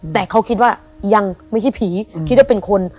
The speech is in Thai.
แต่เขาคิดว่ายังไม่ใช่ผีคิดว่าเป็นคน